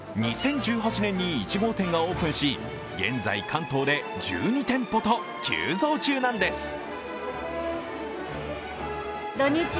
２０１８年に１号店がオープンし現在、関東で１２店舗と急増中なんです。